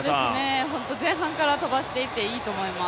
前半から飛ばしていていいと思います。